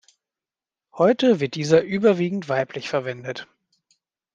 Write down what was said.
Heute wird dieser überwiegend weiblich verwendet.